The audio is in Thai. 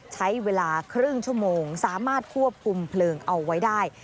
ใช้เวลาครึ่งชั่วโมงสามารถควบคุมเพลิงเอาไว้ได้